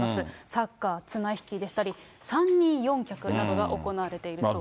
サッカー、綱引きでしたり、三人四脚などが行われているそうです。